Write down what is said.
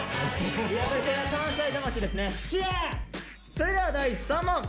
それでは第３問。